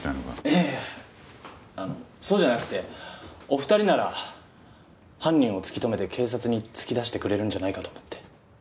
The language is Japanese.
いやいやそうじゃなくてお二人なら犯人を突き止めて警察に突き出してくれるんじゃないかと思って。